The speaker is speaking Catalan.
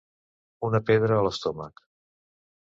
Una pedra a l'estómac.